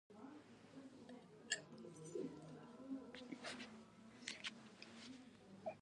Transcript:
ایا زه سهار راشم؟